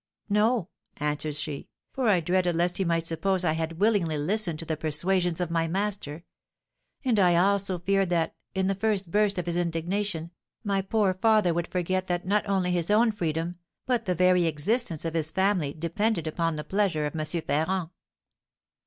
"No," answered she, "for I dreaded lest he might suppose I had willingly listened to the persuasions of my master; and I also feared that, in the first burst of his indignation, my poor father would forget that not only his own freedom, but the very existence of his family, depended upon the pleasure of M. Ferrand."